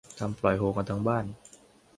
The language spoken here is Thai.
ทำปล่อยโฮกันทั้งบ้าน